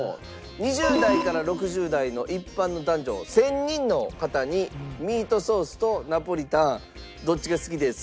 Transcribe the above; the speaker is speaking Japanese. ２０代から６０代の一般の男女１０００人の方に「ミートソースとナポリタンどっちが好きですか？」